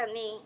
ini dia nih